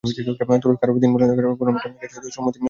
তুরস্ক আরও তিন বিলিয়ন ঘনমিটার গ্যাস চাইলে তাতেও তিনি সম্মতি দেন।